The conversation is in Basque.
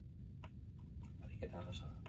Ariketa erraza da.